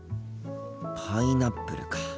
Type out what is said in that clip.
パイナップルか。